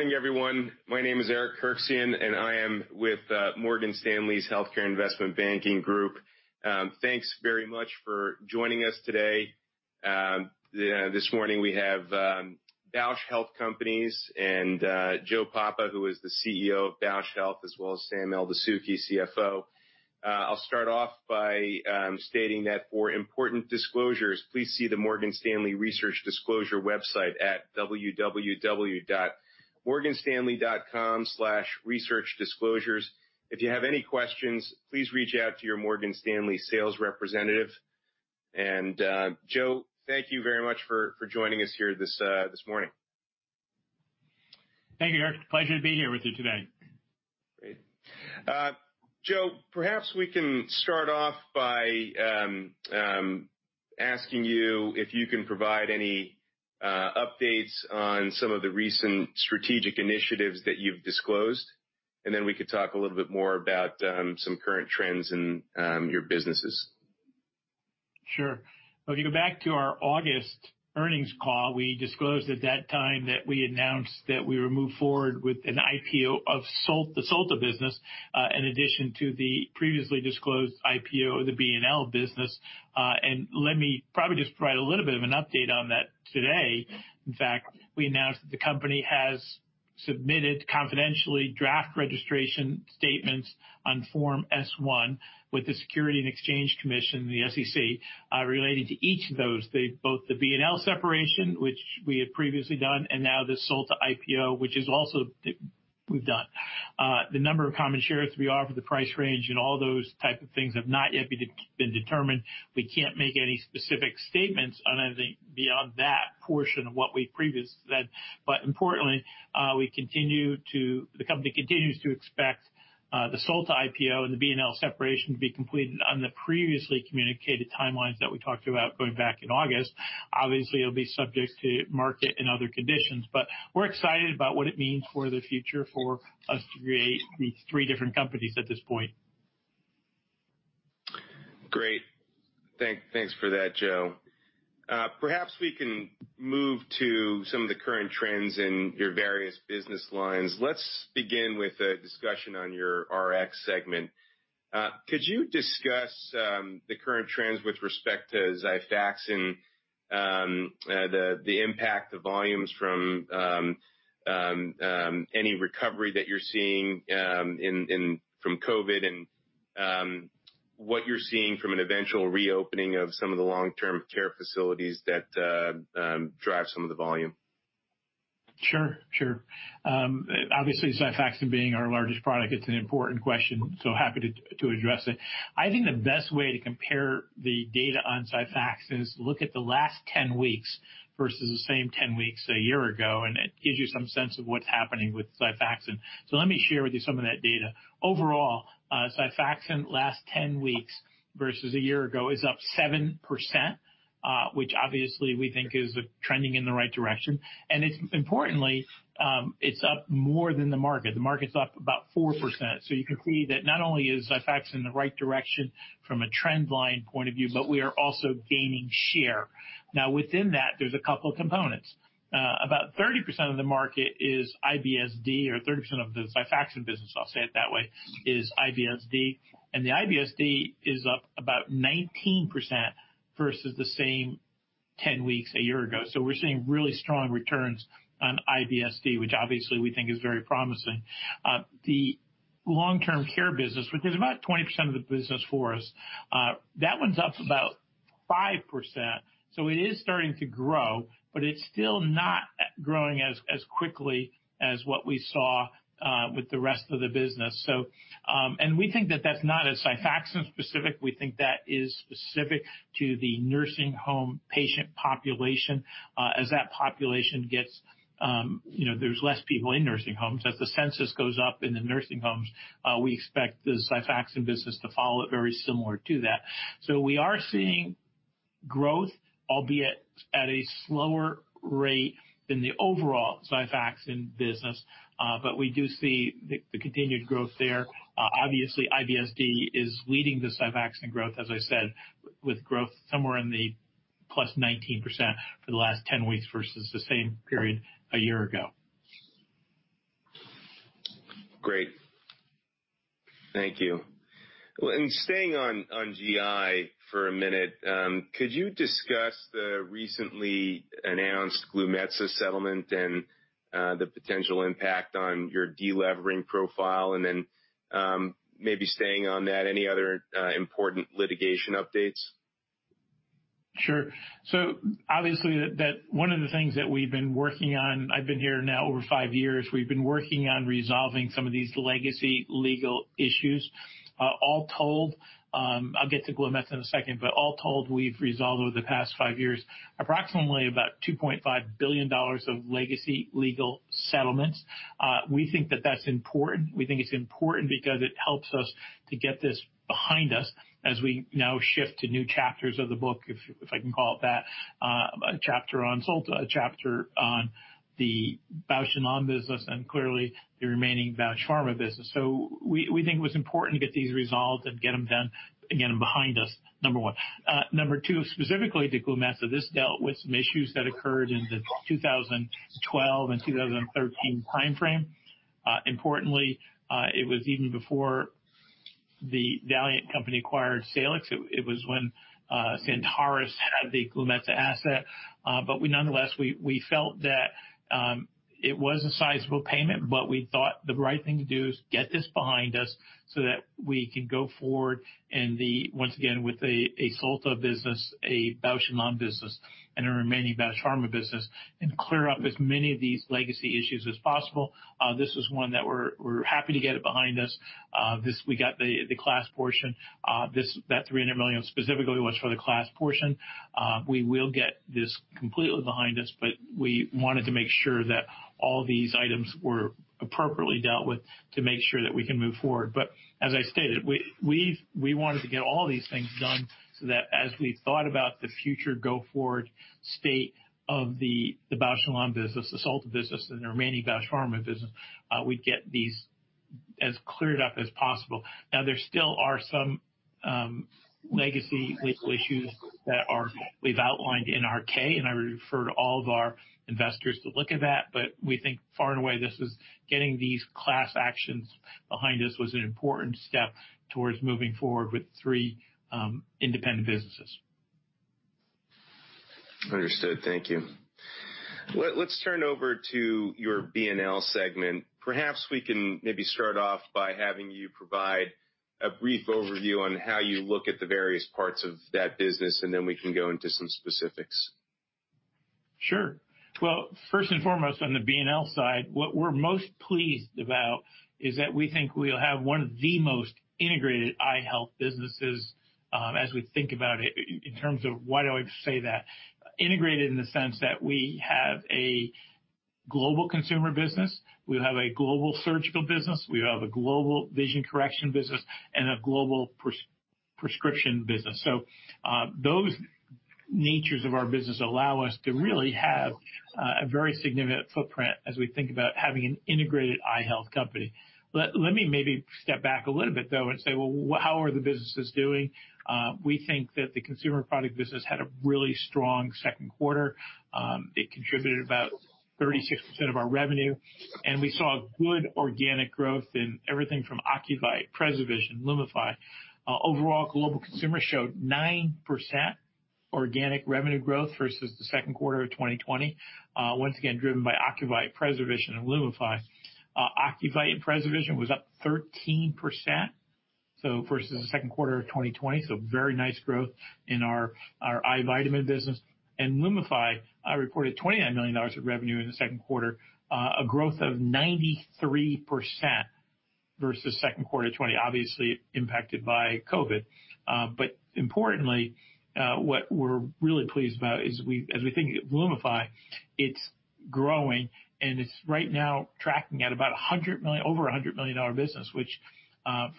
Good morning, everyone. My name is Eric Hirschhorn, and I am with Morgan Stanley's Health Care Investment Banking group. Thanks very much for joining us today. This morning we have Bausch Health Companies and Joe Papa, who is the CEO of Bausch Health, as well as Sam Eldessouky, CFO. I'll start off by stating that for important disclosures, please see the Morgan Stanley Research Disclosure website at www.morganstanley.com/researchdisclosures. If you have any questions, please reach out to your Morgan Stanley sales representative. Joe, thank you very much for joining us here this morning. Thank you, Eric. Pleasure to be here with you today. Great. Joe. Papa, perhaps we can start off by asking you if you can provide any updates on some of the recent strategic initiatives that you've disclosed. We could talk a little bit more about some current trends in your businesses. Sure. If you go back to our August earnings call, we disclosed at that time that we announced that we would move forward with an IPO of the Solta business, in addition to the previously disclosed IPO of the B&L business. Let me probably just provide a little bit of an update on that today. In fact, we announced that the company has submitted confidentially draft registration statements on Form S-1 with the Securities and Exchange Commission, the SEC relating to each of those, both the B&L separation, which we had previously done, and now the Solta IPO, which is also we've done. The number of common shares we offer, the price range, and all those type of things have not yet been determined. We can't make any specific statements on anything beyond that portion of what we previously said. Importantly, the company continues to expect the Solta IPO and the B&L separation to be completed on the previously communicated timelines that we talked about going back in August. Obviously, it'll be subject to market and other conditions, but we're excited about what it means for the future for us to create these three different companies at this point. Great. Thanks for that, Joe Papa. Perhaps we can move to some of the current trends in your various business lines. Let's begin with a discussion on your Rx segment. Could you discuss the current trends with respect to XIFAXAN and the impact of volumes from any recovery that you're seeing from COVID and what you're seeing from an eventual reopening of some of the long-term care facilities that drive some of the volume? Sure. Obviously, XIFAXAN being our largest product, it's an important question, happy to address it. I think the best way to compare the data on XIFAXAN is look at the last 10 weeks versus the same 10 weeks a year ago, it gives you some sense of what's happening with XIFAXAN. Let me share with you some of that data. Overall, XIFAXAN in the last 10 weeks versus a year ago is up 7%, which obviously we think is trending in the right direction. Importantly, it's up more than the market. The market's up about 4%. You can see that not only is XIFAXAN in the right direction from a trend line point of view, but we are also gaining share. Within that, there's a couple of components. About 30% of the market is IBS-D, or 30% of the XIFAXAN business, I'll say it that way, is IBS-D. The IBS-D is up about 19% versus the same 10 weeks a year ago. We're seeing really strong returns on IBS-D, which obviously we think is very promising. The long-term care business, which is about 20% of the business for us, that one's up about 5%. It is starting to grow, but it's still not growing as quickly as what we saw with the rest of the business. We think that that's not as XIFAXAN specific. We think that is specific to the nursing home patient population. As that population there's less people in nursing homes. As the census goes up in the nursing homes, we expect the XIFAXAN business to follow it very similar to that. We are seeing growth, albeit at a slower rate than the overall XIFAXAN business. We do see the continued growth there. IBS-D is leading the XIFAXAN growth, as I said, with growth somewhere in the +19% for the last 10 weeks versus the same period a year ago. Great. Thank you. Staying on GI for a minute, could you discuss the recently announced Glumetza settlement and the potential impact on your de-levering profile, and then maybe staying on that, any other important litigation updates? Sure. Obviously one of the things that we've been working on, I've been here now over five years, we've been working on resolving some of these legacy legal issues. All told, I'll get to Glumetza in a second, but all told, we've resolved over the past five years approximately about $2.5 billion of legacy legal settlements. We think that that's important. We think it's important because it helps us to get this behind us as we now shift to new chapters of the book, if I can call it that. A chapter on Solta, a chapter on the Bausch + Lomb business, and clearly the remaining Bausch Pharma business. We think it was important to get these resolved and get them done, and get them behind us, number one. Specifically to Glumetza, this dealt with some issues that occurred in the 2012 and 2013 timeframe. Importantly, it was even before The Valeant company acquired Salix. It was when Santarus had the Glumetza asset. Nonetheless, we felt that it was a sizable payment, but we thought the right thing to do is get this behind us so that we could go forward and once again, with a Solta business, a Bausch + Lomb business, and a remaining Bausch + Lomb business, and clear up as many of these legacy issues as possible. This was one that we're happy to get it behind us. We got the class portion. That $300 million specifically was for the class portion. We will get this completely behind us, but we wanted to make sure that all these items were appropriately dealt with to make sure that we can move forward. As I stated, we wanted to get all these things done so that as we thought about the future go-forward state of the Bausch + Lomb business, the Solta business, and the remaining Bausch + Lomb business, we'd get these as cleared up as possible. There still are some legacy legal issues that we've outlined in our K. I refer to all of our investors to look at that. We think far and away, getting these class actions behind us was an important step towards moving forward with three independent businesses. Understood. Thank you. Let's turn over to your B&L segment. Perhaps we can maybe start off by having you provide a brief overview on how you look at the various parts of that business, and then we can go into some specifics. Sure. First and foremost on the B&L side, what we're most pleased about is that we think we'll have one of the most integrated eye health businesses as we think about it in terms of why do I say that. Integrated in the sense that we have a global consumer business, we have a global surgical business, we have a global vision correction business, and a global prescription business. Those natures of our business allow us to really have a very significant footprint as we think about having an integrated eye health company. Let me maybe step back a little bit though and say, well, how are the businesses doing? We think that the consumer product business had a really strong second quarter. It contributed about 36% of our revenue, and we saw good organic growth in everything from Ocuvite, PreserVision, LUMIFY. Overall, global consumer showed 9% organic revenue growth versus the second quarter of 2020, once again driven by Ocuvite, PreserVision, and LUMIFY. Ocuvite and PreserVision was up 13% versus the second quarter of 2020. Very nice growth in our eye vitamin business. LUMIFY reported $29 million of revenue in the second quarter, a growth of 93% versus second quarter 2020, obviously impacted by COVID. Importantly, what we're really pleased about is as we think of LUMIFY, it's growing and it's right now tracking at about over $100 million business, which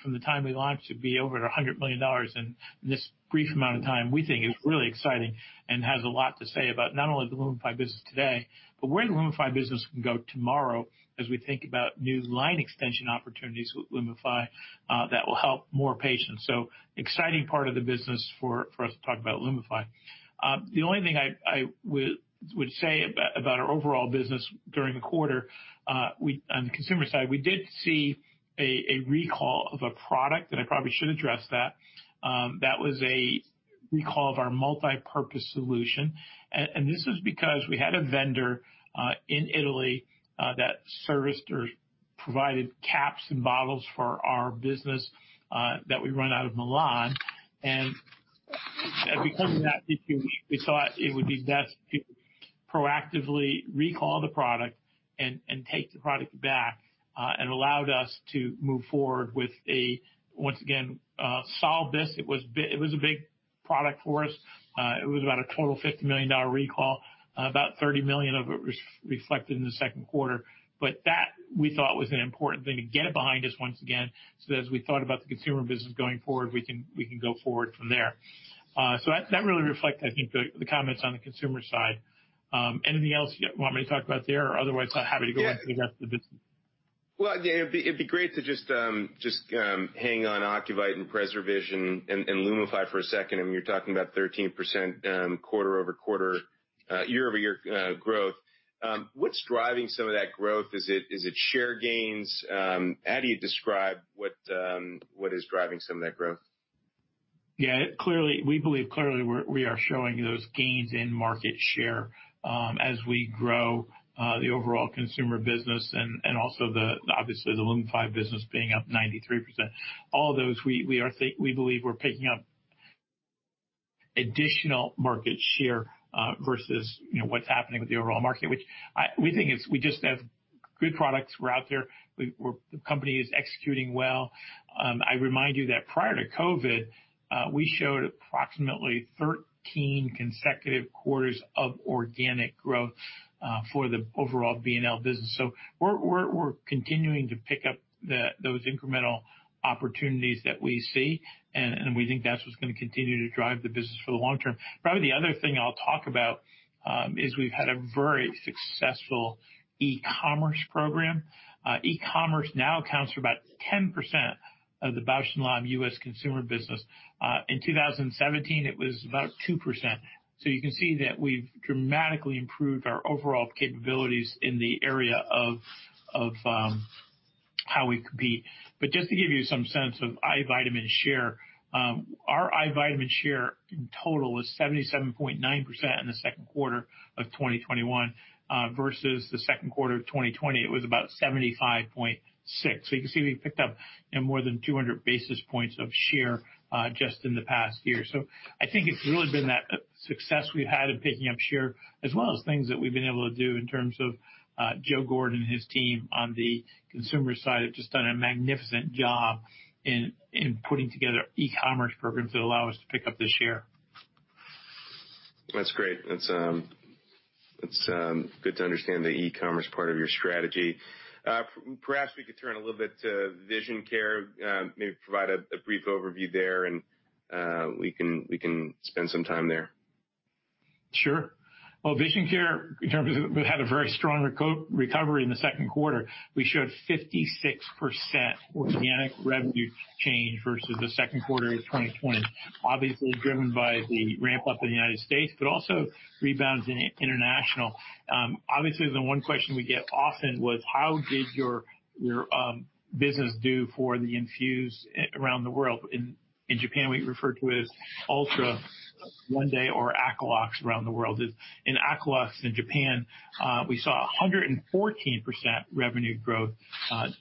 from the time we launched to be over $100 million in this brief amount of time, we think is really exciting and has a lot to say about not only the LUMIFY business today, but where the LUMIFY business can go tomorrow as we think about new line extension opportunities with LUMIFY that will help more patients. Exciting part of the business for us to talk about LUMIFY. The only thing I would say about our overall business during the quarter, on the consumer side, we did see a recall of a product, and I probably should address that. That was a recall of our multipurpose solution. This was because we had a vendor in Italy that serviced or provided caps and bottles for our business that we run out of Milan. Becoming that issue, we thought it would be best to proactively recall the product and take the product back, and allowed us to move forward with, once again, solve this. It was a big product for us. It was about a total $50 million recall. About $30 million of it was reflected in the second quarter. That we thought was an important thing to get it behind us once again, so that as we thought about the consumer business going forward, we can go forward from there. That really reflects, I think, the comments on the consumer side. Anything else you want me to talk about there? Otherwise, I'm happy to go into the rest of the business. Well, it'd be great to just hang on Ocuvite and PreserVision and LUMIFY for a second. I mean, you're talking about 13% quarter-over-quarter, year-over-year growth. What's driving some of that growth? Is it share gains? How do you describe what is driving some of that growth? We believe clearly we are showing those gains in market share as we grow the overall consumer business and also obviously the LUMIFY business being up 93%. All those we believe we're picking up additional market share versus what's happening with the overall market, which we think is we just have good products. We're out there. The company is executing well. I remind you that prior to COVID, we showed approximately 13 consecutive quarters of organic growth for the overall B&L business. We're continuing to pick up those incremental opportunities that we see, and we think that's what's going to continue to drive the business for the long term. Probably the other thing I'll talk about is we've had a very successful e-commerce program. E-commerce now accounts for about 10% of the Bausch + Lomb U.S. consumer business. In 2017, it was about 2%. You can see that we've dramatically improved our overall capabilities in the area of how we compete. Just to give you some sense of eye vitamin share, our eye vitamin share in total was 77.9% in the second quarter of 2021 versus the second quarter of 2020, it was about 75.6%. You can see we've picked up more than 200 basis points of share just in the past year. I think it's really been that success we've had in picking up share, as well as things that we've been able to do in terms of Joe Gordon and his team on the consumer side have just done a magnificent job in putting together e-commerce programs that allow us to pick up the share. That's great. It's good to understand the e-commerce part of your strategy. Perhaps we could turn a little bit to vision care, maybe provide a brief overview there and we can spend some time there. Sure. Well, vision care, in terms of we had a very strong recovery in the second quarter. We showed 56% organic revenue change versus the second quarter of 2020, obviously driven by the ramp-up in the U.S., but also rebounds in international. Obviously, the one question we get often was how did your business do for the INFUSE around the world? In Japan, we refer to it as ULTRA ONE DAY or AQUALOX around the world. In AQUALOX, in Japan, we saw 114% revenue growth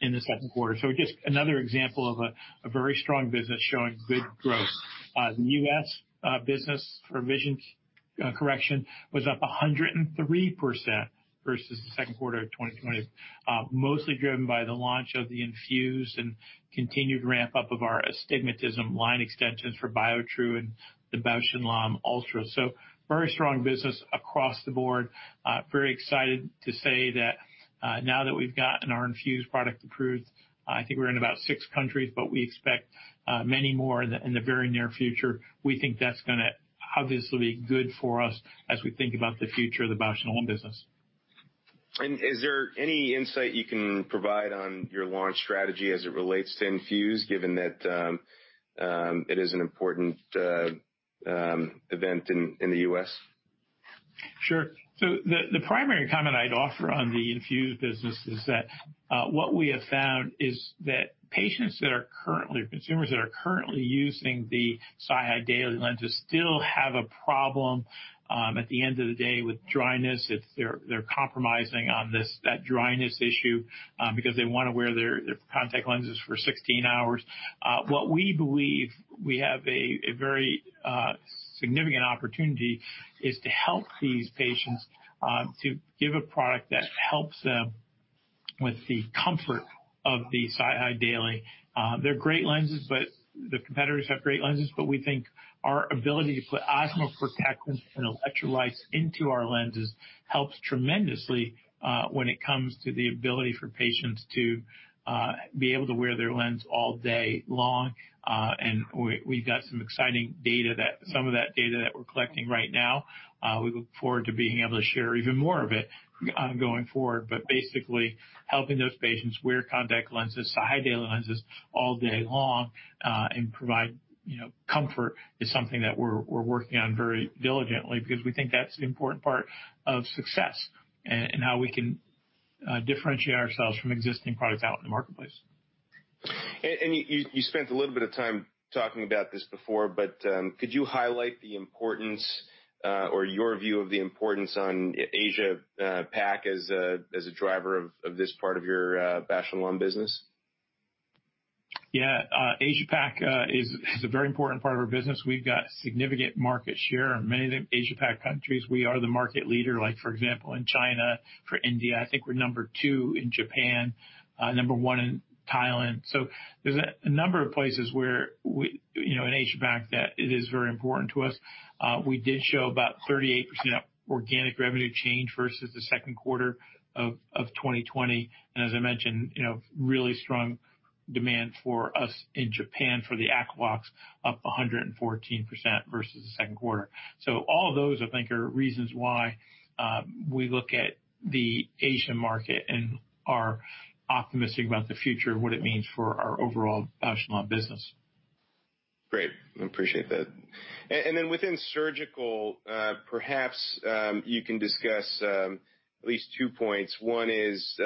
in the second quarter. Just another example of a very strong business showing good growth. The U.S. business for vision correction was up 103% versus the second quarter of 2020, mostly driven by the launch of the INFUSE and continued ramp-up of our astigmatism line extensions for Biotrue and the Bausch + Lomb ULTRA. Very strong business across the board. Very excited to say that now that we've gotten our INFUSE product approved, I think we're in about six countries, but we expect many more in the very near future. We think that's going to obviously be good for us as we think about the future of the Bausch + Lomb business. Is there any insight you can provide on your launch strategy as it relates to INFUSE, given that it is an important event in the U.S.? The primary comment I'd offer on the INFUSE business is that what we have found is that patients that are currently, or consumers that are currently using the SiHy daily lenses still have a problem at the end of the day with dryness. They're compromising on that dryness issue because they want to wear their contact lenses for 16 hours. What we believe we have a very significant opportunity is to help these patients to give a product that helps them with the comfort of the SiHy daily. They're great lenses, but the competitors have great lenses, but we think our ability to put osmo-protectants and electrolytes into our lenses helps tremendously when it comes to the ability for patients to be able to wear their lens all day long. We've got some exciting data that we're collecting right now. We look forward to being able to share even more of it going forward. Basically helping those patients wear contact lenses, SiHy daily lenses all day long and provide comfort is something that we're working on very diligently because we think that's an important part of success and how we can differentiate ourselves from existing products out in the marketplace. You spent a little bit of time talking about this before, but could you highlight the importance or your view of the importance on Asia Pac as a driver of this part of your Bausch + Lomb business? Yeah. Asia Pac is a very important part of our business. We've got significant market share in many of the Asia Pac countries. We are the market leader, like for example, in China, for India. I think we're number two in Japan, number one in Thailand. There's a number of places where in Asia Pac that it is very important to us. We did show about 38% organic revenue change versus the second quarter of 2020. As I mentioned, really strong demand for us in Japan for the AQUALOX up 114% versus the second quarter. All of those, I think, are reasons why we look at the Asian market and are optimistic about the future and what it means for our overall Bausch + Lomb business. Great. I appreciate that. Within surgical, perhaps, you can discuss at least two points. One is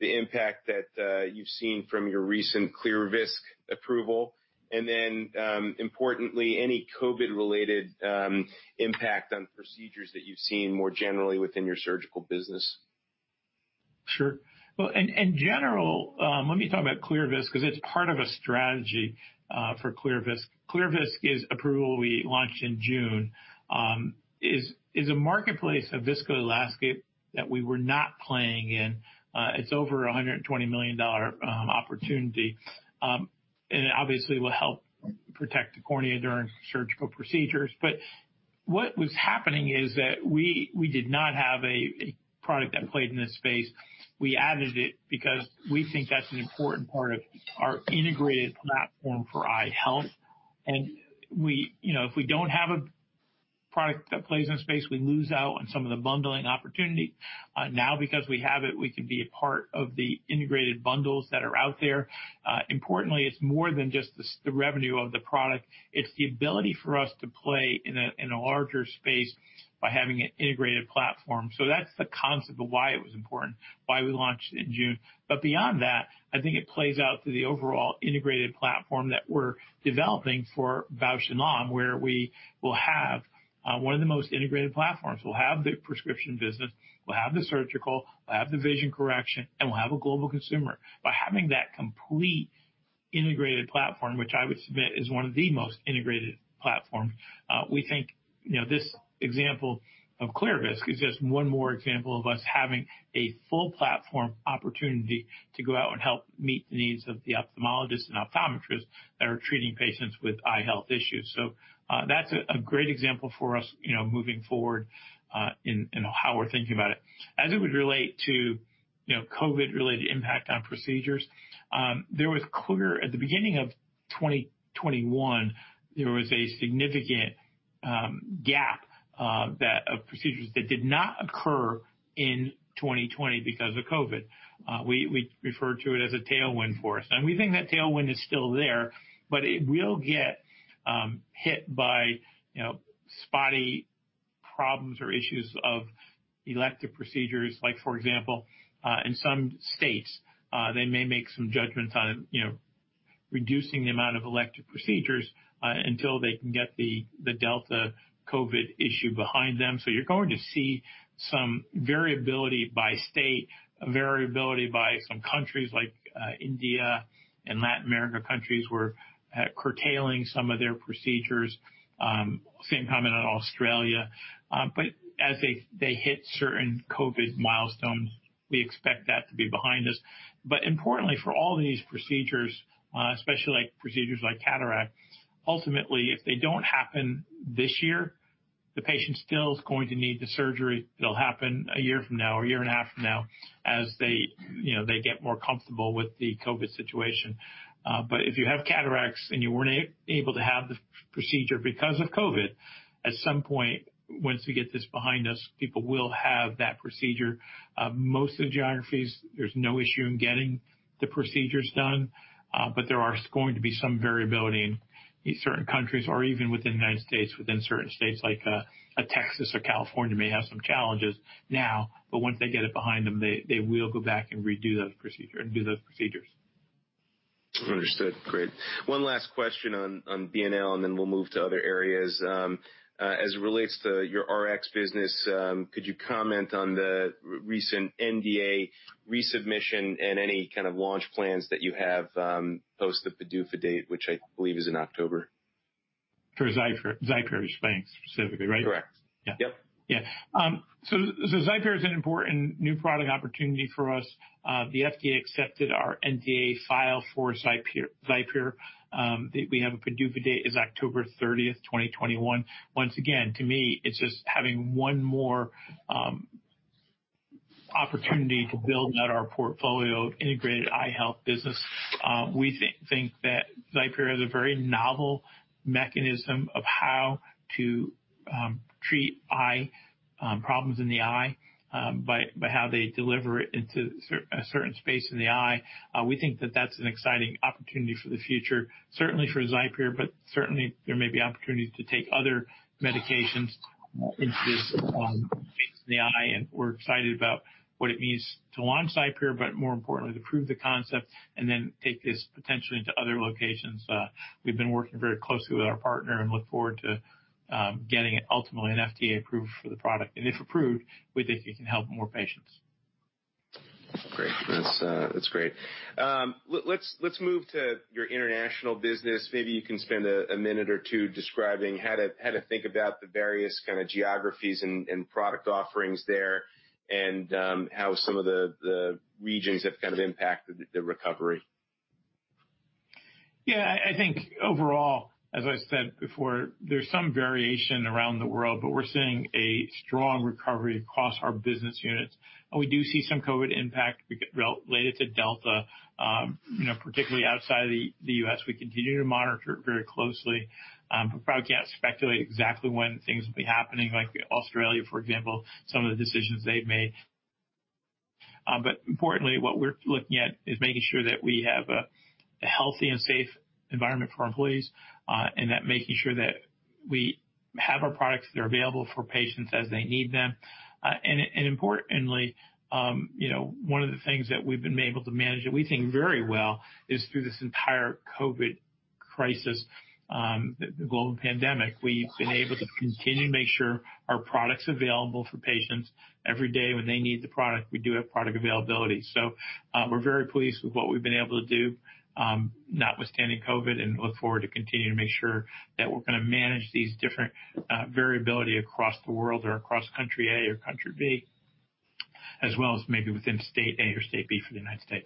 the impact that you've seen from your recent ClearVisc approval, and then, importantly, any COVID related impact on procedures that you've seen more generally within your surgical business. Sure. In general, let me talk about ClearVisc, because it's part of a strategy for ClearVisc. ClearVisc is approval we launched in June, is a marketplace of viscoelastic that we were not playing in. It's over $120 million opportunity. It obviously will help protect the cornea during surgical procedures. What was happening is that we did not have a product that played in this space. We added it because we think that's an important part of our integrated platform for eye health. If we don't have a product that plays in space, we lose out on some of the bundling opportunity. Now because we have it, we can be a part of the integrated bundles that are out there. Importantly, it's more than just the revenue of the product. It's the ability for us to play in a larger space by having an integrated platform. That's the concept of why it was important, why we launched in June. Beyond that, I think it plays out to the overall integrated platform that we're developing for Bausch + Lomb, where we will have one of the most integrated platforms. We'll have the prescription business, we'll have the surgical, we'll have the vision correction, and we'll have a global consumer. By having that complete integrated platform, which I would submit is one of the most integrated platforms, we think this example of ClearVisc is just one more example of us having a full platform opportunity to go out and help meet the needs of the ophthalmologists and optometrists that are treating patients with eye health issues. That's a great example for us, moving forward, in how we're thinking about it. As it would relate to COVID-related impact on procedures, at the beginning of 2021, there was a significant gap of procedures that did not occur in 2020 because of COVID. We refer to it as a tailwind for us, and we think that tailwind is still there, but it will get hit by spotty problems or issues of elective procedures. Like for example, in some states, they may make some judgments on reducing the amount of elective procedures until they can get the Delta COVID issue behind them. You're going to see some variability by state, variability by some countries like India and Latin America, countries who are curtailing some of their procedures. Same comment on Australia. As they hit certain COVID milestones, we expect that to be behind us. Importantly, for all of these procedures, especially procedures like cataract, ultimately, if they don't happen this year, the patient still is going to need the surgery. It'll happen a year from now, or a year and a half from now, as they get more comfortable with the COVID situation. If you have cataracts and you weren't able to have the procedure because of COVID, at some point, once we get this behind us, people will have that procedure. Most of the geographies, there's no issue in getting the procedures done, but there are going to be some variability in certain countries or even within the U.S., within certain states like Texas or California may have some challenges now, but once they get it behind them, they will go back and do those procedures. Understood. Great. One last question on B&L, and then we'll move to other areas. As it relates to your Rx business, could you comment on the recent NDA resubmission and any kind of launch plans that you have post the PDUFA date, which I believe is in October? For XIPERE, you're saying specifically, right? Correct. Yeah. Yep. XIPERE is an important new product opportunity for us. The FDA accepted our NDA file for XIPERE. We have a PDUFA date is October 30th, 2021. Once again, to me, it's just having one more opportunity to build out our portfolio integrated eye health business. We think that XIPERE is a very novel mechanism of how to treat problems in the eye, by how they deliver it into a certain space in the eye. We think that that's an exciting opportunity for the future, certainly for XIPERE, but certainly there may be opportunities to take other medications into this space in the eye, and we're excited about what it means to launch XIPERE, but more importantly, to prove the concept and then take this potentially into other locations. We've been working very closely with our partner and look forward to getting ultimately an FDA approval for the product. If approved, we think it can help more patients. Great. That's great. Let's move to your international business. Maybe you can spend a minute or two describing how to think about the various kind of geographies and product offerings there, and how some of the regions have kind of impacted the recovery? Yeah, I think overall, as I said before, there's some variation around the world, but we're seeing a strong recovery across our business units. We do see some COVID impact related to Delta, particularly outside the U.S. We continue to monitor it very closely. We probably can't speculate exactly when things will be happening, like Australia, for example, some of the decisions they've made. Importantly, what we're looking at is making sure that we have a healthy and safe environment for our employees, and that making sure that we have our products that are available for patients as they need them. Importantly, one of the things that we've been able to manage that we think very well is through this entire COVID crisis, the global pandemic, we've been able to continue to make sure our product's available for patients. Every day when they need the product, we do have product availability. We're very pleased with what we've been able to do, notwithstanding COVID-19, and look forward to continuing to make sure that we're going to manage these different variability across the world or across country A or country B, as well as maybe within state A or state B for the U.S.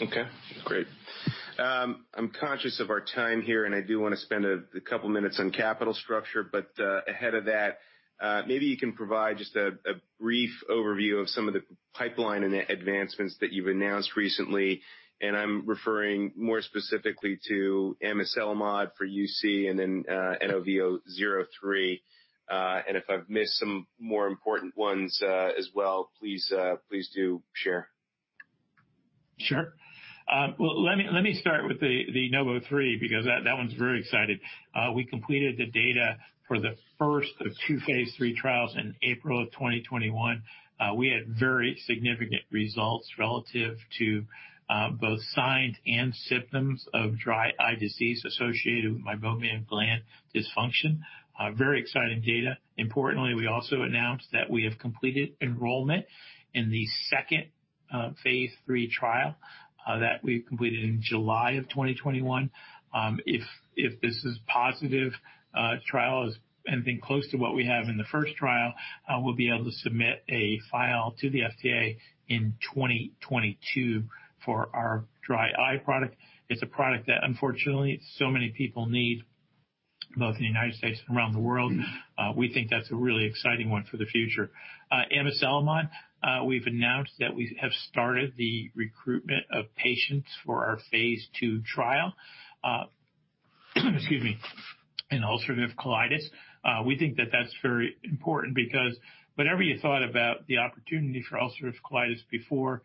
Okay, great. I'm conscious of our time here, and I do want to spend a couple of minutes on capital structure. Ahead of that, maybe you can provide just a brief overview of some of the pipeline and the advancements that you've announced recently, and I'm referring more specifically to amiselimod for UC and then NOV03. If I've missed some more important ones as well, please do share. Sure. Well, let me start with the NOV03 because that one's very exciting. We completed the data for the first of two phase III trials in April of 2021. We had very significant results relative to both signs and symptoms of dry eye disease associated with meibomian gland dysfunction. Very exciting data. Importantly, we also announced that we have completed enrollment in the second phase III trial that we completed in July of 2021. If this positive trial is anything close to what we have in the first trial, we'll be able to submit a file to the FDA in 2022 for our dry eye product. It's a product that, unfortunately, so many people need, both in the U.S. and around the world. We think that's a really exciting one for the future. Amiselimod, we've announced that we have started the recruitment of patients for our phase II trial. Excuse me. In ulcerative colitis. We think that that's very important because whatever you thought about the opportunity for ulcerative colitis before,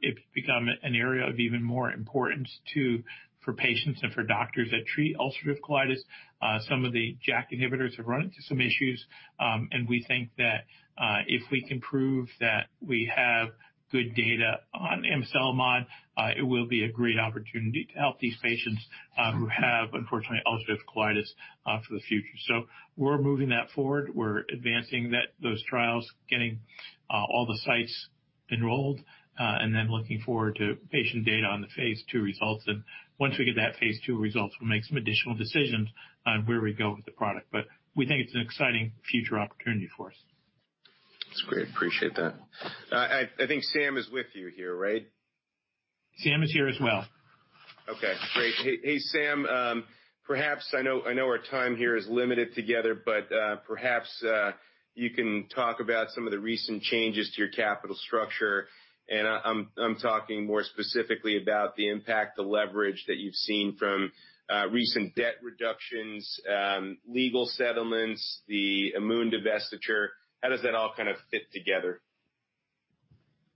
it's become an area of even more importance for patients and for doctors that treat ulcerative colitis. Some of the JAK inhibitors have run into some issues. We think that if we can prove that we have good data on amiselimod, it will be a great opportunity to help these patients who have, unfortunately, ulcerative colitis for the future. We're moving that forward. We're advancing those trials, getting all the sites enrolled, and then looking forward to patient data on the phase II results. Once we get that phase II results, we'll make some additional decisions on where we go with the product. We think it's an exciting future opportunity for us. That's great. Appreciate that. I think Sam is with you here, right? Sam is here as well. Okay, great. Hey, Sam. I know our time here is limited together, but perhaps you can talk about some of the recent changes to your capital structure, and I'm talking more specifically about the impact, the leverage that you've seen from recent debt reductions, legal settlements, the Amoun divestiture. How does that all fit together?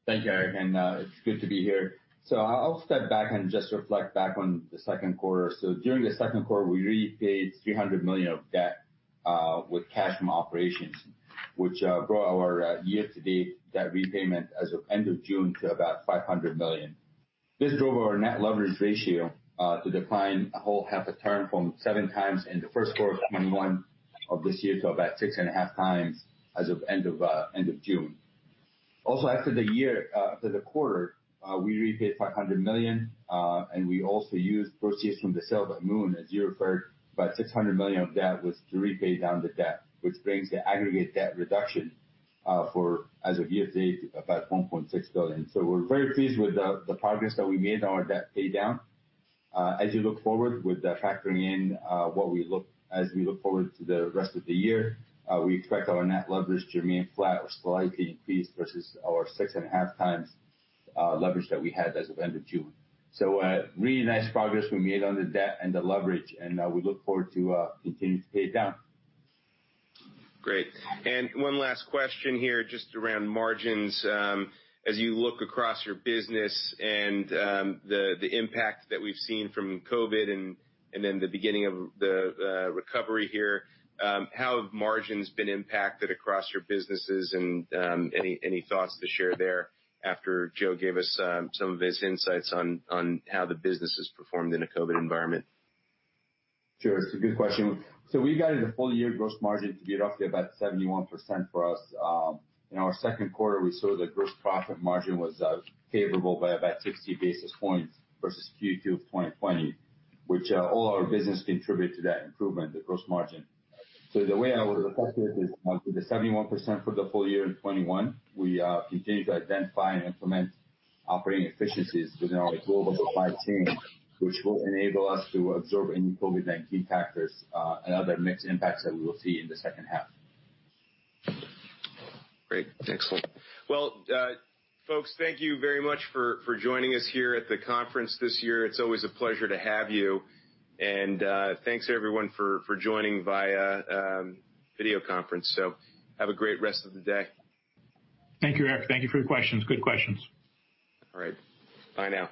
Thank you, Eric, and it's good to be here. I'll step back and just reflect back on the second quarter. During the second quarter, we repaid $300 million of debt with cash from operations, which brought our year-to-date debt repayment as of end of June to about $500 million. This drove our net leverage ratio to decline a whole half a turn from 7x in the first quarter of 2021 of this year to about 6.5x as of end of June. Also, after the quarter, we repaid $500 million, and we also used proceeds from the sale by Amoun, as you referred, about $600 million of debt was to repay down the debt, which brings the aggregate debt reduction as of year-to-date, about $1.6 billion. We're very pleased with the progress that we made on our debt pay down. As we look forward to the rest of the year, we expect our net leverage to remain flat or slightly increased versus our 6.5x leverage that we had as of end of June. Really nice progress we made on the debt and the leverage, and we look forward to continuing to pay it down. Great. One last question here, just around margins. As you look across your business and the impact that we've seen from COVID and then the beginning of the recovery here, how have margins been impacted across your businesses and any thoughts to share there after Joe gave us some of his insights on how the business has performed in a COVID environment? Sure. It's a good question. We guided a full year gross margin to be roughly about 71% for us. In our 2Q, we saw the gross profit margin was favorable by about 60 basis points versus Q2 of 2020, which all our business contribute to that improvement, the gross margin. The way I would reflect it is to the 71% for the full year in 2021, we continue to identify and implement operating efficiencies within our global supply chain, which will enable us to absorb any COVID-19 factors and other mixed impacts that we will see in the second half. Great. Excellent. Well, folks, thank you very much for joining us here at the conference this year. It's always a pleasure to have you. Thanks, everyone, for joining via video conference. Have a great rest of the day. Thank you, Eric. Thank you for your questions. Good questions. All right. Bye now.